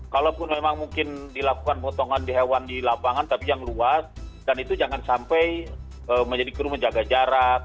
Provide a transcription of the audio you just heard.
kalaupun memang mungkin dilakukan potongan di hewan di lapangan tapi yang luas dan itu jangan sampai menjadi kru menjaga jarak